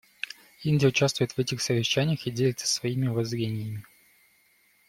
Индия участвует в этих совещаниях и делится своими воззрениями.